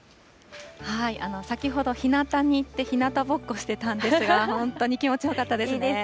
先ほど、ひなたに行って、ひなたぼっこしてたんですが、本当に気持ちよかったですね。